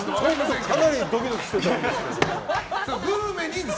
かなりドキドキしてたんですよ。